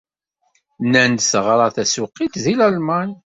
Nnan-d teɣra tasuqilt deg Lalman.